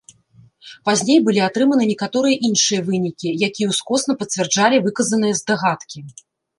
Пазней былі атрыманы некаторыя іншыя вынікі, якія ўскосна пацвярджалі выказаныя здагадкі.